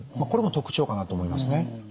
これも特徴かなと思いますね。